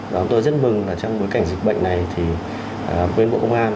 và chúng tôi rất mừng là trong bối cảnh dịch bệnh này thì bên bộ công an